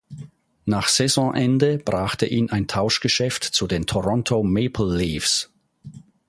Nach Saisonende brachte ihn ein Tauschgeschäft zu den Toronto Maple Leafs.